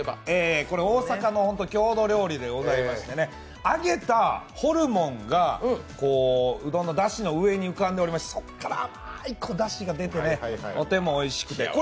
大阪の郷土料理でございまして、揚げたホルモンがうどんのだしの上に浮かんでおりまして、そこから甘いだしが出て、とてもおいしくて。